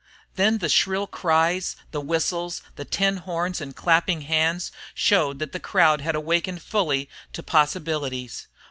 Then the shrill cries, the whistles, the tin horns and clapping hands showed that the crowd had awakened fully to possibilities.